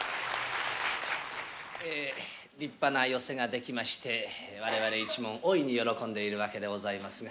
立派な寄席が出来まして、われわれ一門、大いに喜んでいるわけでございますが。